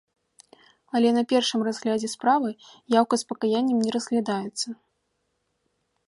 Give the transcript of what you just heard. Але на першым разглядзе справы яўка з пакаяннем не разглядаецца.